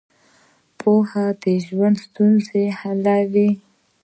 پوهه د ژوند ستونزې حلوي.